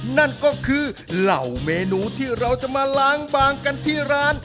นั่นก็คือเหล่าเมนูที่เราจะมาล้างบางกันที่ร้าน